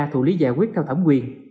thủ lý giải quyết theo thẩm quyền